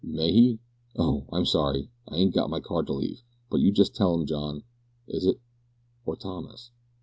"May he? Oh! I'm sorry I ain't got my card to leave, but you just tell him, John is it, or Thomas?